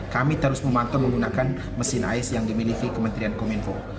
kami terus memantau menggunakan mesin ais yang dimiliki kementerian kominfo